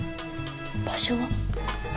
場所は？